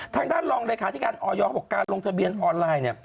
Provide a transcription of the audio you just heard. ทางด้านรองรายคาที่การออยบอกว่าการลงทะเบียนออนไลน์